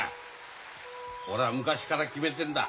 俺は昔から決めてんだ。